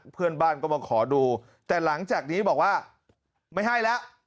เพื่อนบ้านก็มาขอดูแต่หลังจากนี้บอกว่าไม่ให้แล้ว